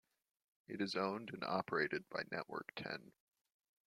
It is owned and operated by Network Ten.